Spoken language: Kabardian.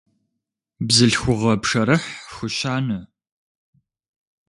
Бзылъхугъэ пшэрыхь хущанэ.